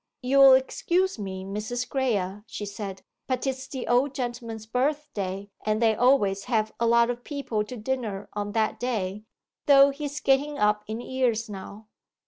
'You'll excuse me, Mrs. Graye,' she said, 'but 'tis the old gentleman's birthday, and they always have a lot of people to dinner on that day, though he's getting up in years now.